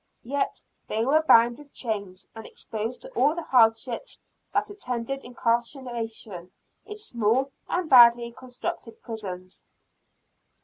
Yet, they were bound with chains, and exposed to all the hardships that attended incarceration in small and badly constructed prisons.